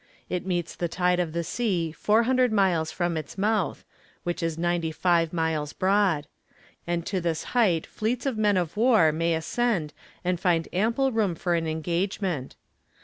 It meets the tide of the sea four hundred miles from its mouth, which is ninety five miles broad; and to this height fleets of men of war may ascend and find ample room for an engagement.